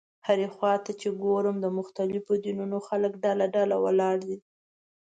هرې خوا ته چې ګورم د مختلفو دینونو خلک ډله ډله ولاړ دي.